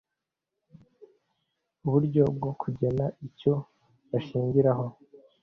uburyo bwo kugena icyo bashingiraho